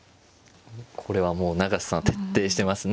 これはもう永瀬さん徹底してますね。